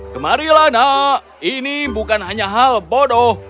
kemarilah nak ini bukan hanya hal bodoh